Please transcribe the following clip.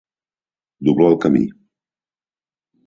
Doblar el camí.